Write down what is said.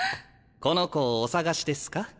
この子をお捜しですか？